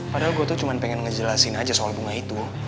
padahal gue tuh cuma pengen ngejelasin aja soal bunga itu